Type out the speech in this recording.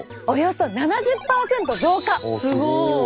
すごい。